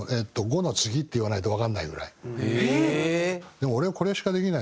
５の次って言わないとわかんないぐらい。